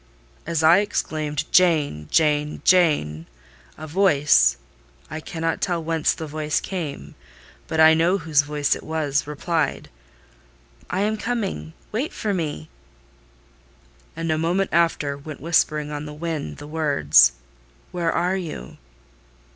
"As I exclaimed 'Jane! Jane! Jane!' a voice—I cannot tell whence the voice came, but I know whose voice it was—replied, 'I am coming: wait for me;' and a moment after, went whispering on the wind the words—'Where are you?